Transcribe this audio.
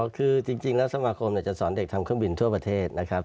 คือจริงแล้วสมาคมจะสอนเด็กทำเครื่องบินทั่วประเทศนะครับ